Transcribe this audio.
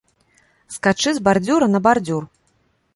Скачы з бардзюра на бардзюр!